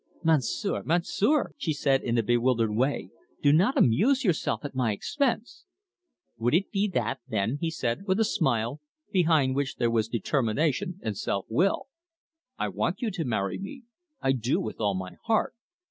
"Monsieur, Monsieur," she said in a bewildered way, "do not amuse yourself at my expense." "Would it be that, then?" he said, with a smile, behind which there was determination and self will. "I want you to marry me; I do with all my heart.